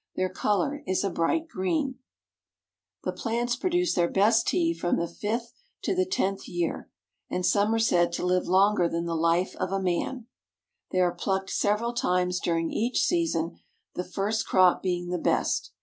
Their color is a bright green. "— the hedges run in parallel rows The plants produce their best tea from the fifth to the tenth year, and some are said to live longer than the life of S6 JAPAN a man. They are plucked several times during each season, the first crop being the best.